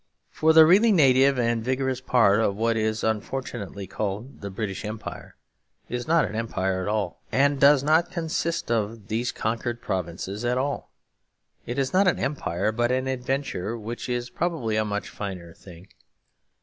For the really native and vigorous part of what is unfortunately called the British Empire is not an empire at all, and does not consist of these conquered provinces at all. It is not an empire but an adventure; which is probably a much finer thing.